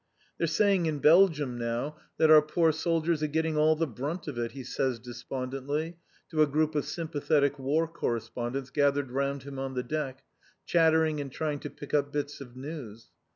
"They're saying in Belgium now that our poor soldiers are getting all the brunt of it," he says despondently to a group of sympathetic War Correspondents gathered round him on deck, chattering, and trying to pick up bits of news.